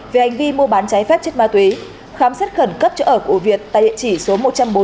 về hành vi mua bán trái phép chất ma túy khám xét khẩn cấp chỗ ở của việt tại địa chỉ số một trăm bốn mươi tám